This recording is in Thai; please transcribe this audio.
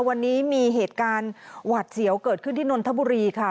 วันนี้มีเหตุการณ์หวาดเสียวเกิดขึ้นที่นนทบุรีค่ะ